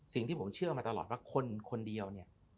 สิ่งที่ผมเชื่อมาตลอดว่าคนคนเดียวเนี่ย